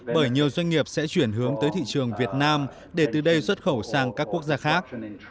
bởi nhiều doanh nghiệp sẽ chuyển hướng tới thị trường việt nam để từ đây xuất khẩu sang các quốc gia khác